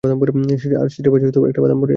আর সিটের ভাঁজে একটা বাদাম পড়ে আছে।